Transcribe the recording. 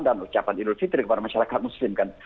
dan ucapan idul fitri kepada masyarakat muslim kan